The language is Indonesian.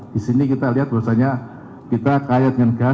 di sini kita lihat bahwasannya kita kaya dengan gas